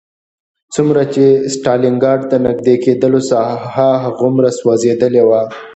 څومره چې ستالینګراډ ته نږدې کېدلو ساحه هغومره سوځېدلې وه